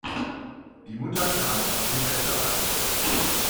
Die Mutter kam aus dem Westerwald.